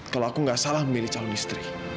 kalau aku nggak salah memilih calon istri